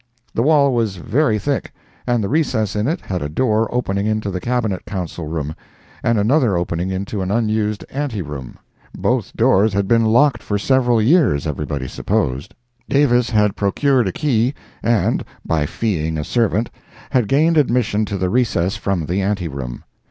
The wall was very thick, and the recess in it had a door opening into the Cabinet Council room, and another opening into an unused ante room. Both doors had been locked for several years, everybody supposed. Davis had procured a key, and, by feeing a servant, had gained admission to the recess from the ante room.